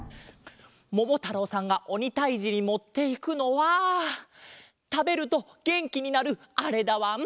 ももたろうさんがおにたいじにもっていくのはたべるとげんきになるあれだわん。